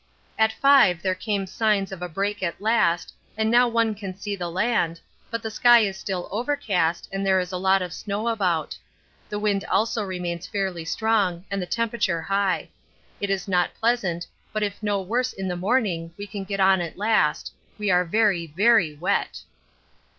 At 5 there came signs of a break at last, and now one can see the land, but the sky is still overcast and there is a lot of snow about. The wind also remains fairly strong and the temperature high. It is not pleasant, but if no worse in the morning we can get on at last. We are very, very wet.